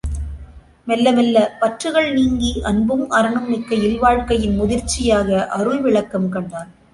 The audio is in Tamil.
மெல்ல மெல்லப்பற்றுகள் நீங்கி அன்பும் அறனும் மிக்க இல்வாழ்க்கையின் முதிர்ச்சியாக அருள்விளக்கம் கண்டான்.